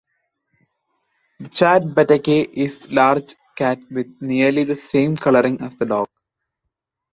The "chat Bateke" is large cat with nearly the same coloring as the dog.